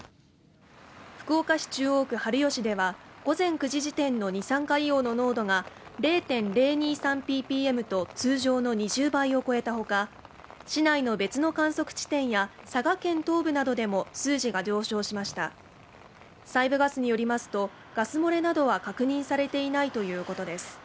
福岡市中央区春吉では午前９時時点の二酸化硫黄の濃度が０．０２２３ｐｐｍと通常の２０倍を超えたほか市内の別の観測地点や佐賀県東部などでも数値が上昇しました西部ガスによりますとガス漏れなどは確認されていないということです